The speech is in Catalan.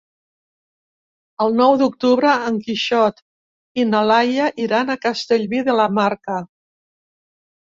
El nou d'octubre en Quixot i na Laia iran a Castellví de la Marca.